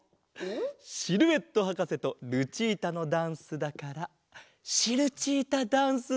シルエットはかせとルチータのダンスだからシルチータダンスだ！